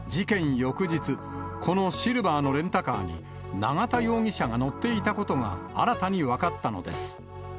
翌日、このシルバーのレンタカーに、永田容疑者が乗っていたことが新たに分かったのです。